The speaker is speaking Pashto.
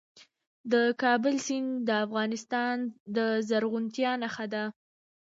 د کابل سیند د افغانستان د زرغونتیا نښه ده.